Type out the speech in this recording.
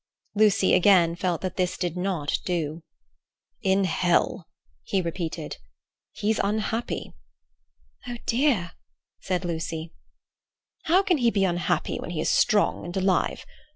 Lucy again felt that this did not do. "In Hell," he repeated. "He's unhappy." "Oh, dear!" said Lucy. "How can he be unhappy when he is strong and alive?